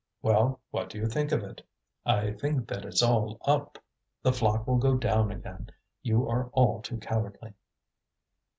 "Well, what do you think of it?" "I think that it's all up. The flock will go down again. You are all too cowardly."